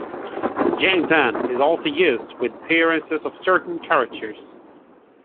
"Jangdan" is also used with the appearances of certain characters.